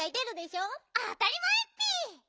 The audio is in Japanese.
あたりまえッピ！